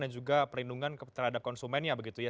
dan juga perlindungan terhadap konsumennya begitu ya